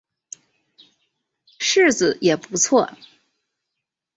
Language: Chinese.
柿子也不错